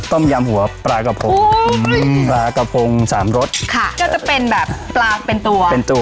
ต้มยำหัวปลากระพงปลากระพงสามรสค่ะก็จะเป็นแบบปลาเป็นตัวเป็นตัว